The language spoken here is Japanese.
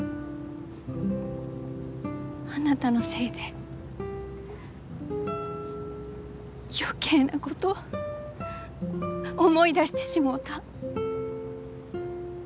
あなたのせいで余計なこと思い出してしもうた。